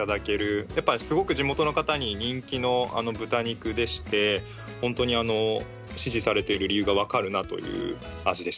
やっぱりすごく地元の方に人気の豚肉でして本当に支持されている理由が分かるなという味でした。